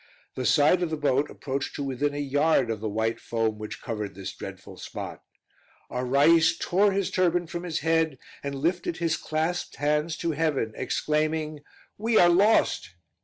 The side of the boat approached to within a yard of the white foam which covered this dreadful spot. Our rais tore his turban from his head, and lifted his clasped hands to Heaven, exclaiming, "We are lost!"